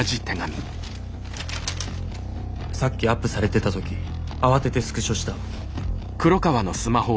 さっきアップされてた時慌ててスクショした。